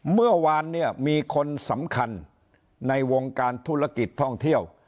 เมื่อวานเนี่ยมีคนสำคัญในวงการธุรกิจท่องเที่ยว